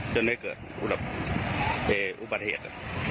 จนไม่เกิดอุบัติเหตุ